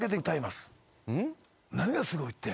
何がすごいって。